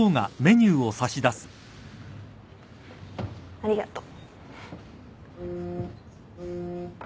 ありがとう。